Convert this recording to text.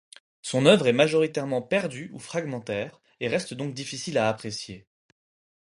Son œuvre est majoritairement perdue ou fragmentaire et reste donc difficile à apprécier.